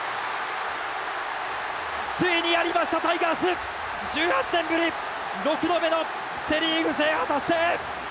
ついにやりましたタイガース１８年ぶり６度目のセ・リーグ制覇達成